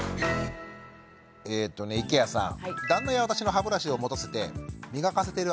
えっとね池谷さん。